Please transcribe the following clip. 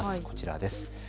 こちらです。